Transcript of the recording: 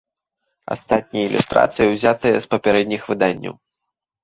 Астатнія ілюстрацыі ўзятыя з папярэдніх выданняў.